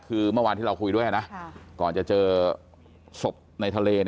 คือเมื่อวานที่เราคุยด้วยนะก่อนจะเจอศพในทะเล